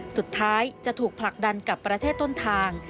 สุดท้ายจะถูกผลักดันกับประเทศต้นทาง